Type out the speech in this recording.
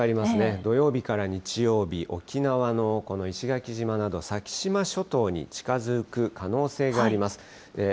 土曜日から日曜日、沖縄のこの石垣島など、先島諸島に近づく可能性があります。